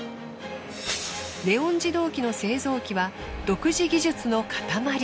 レオン自動機の製造機は独自技術の塊。